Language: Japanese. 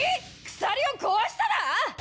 鎖を壊しただぁ！？